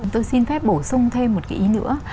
tôi xin phép bổ sung thêm một cái ý nữa